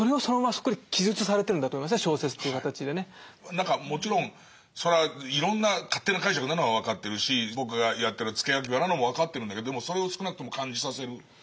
なんかもちろんそれはいろんな勝手な解釈なのは分かってるし僕がやってるのは付け焼き刃なのも分かってるんだけどでもそれを少なくとも感じさせるもの。